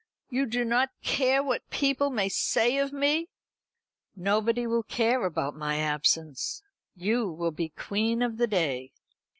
You do not care what people may say of me." "Nobody will care about my absence. You will be the queen of the day."